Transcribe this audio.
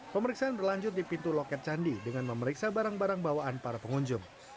pemeriksaan berlanjut di pintu loket candi dengan memeriksa barang barang bawaan para pengunjung